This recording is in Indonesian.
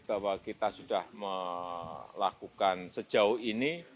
bahwa kita sudah melakukan sejauh ini